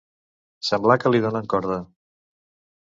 Semblar que li donen corda.